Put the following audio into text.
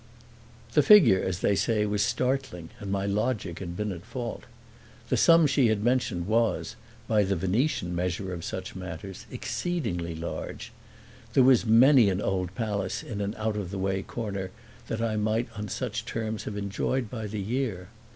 The figure, as they say, was startling and my logic had been at fault. The sum she had mentioned was, by the Venetian measure of such matters, exceedingly large; there was many an old palace in an out of the way corner that I might on such terms have enjoyed by the year.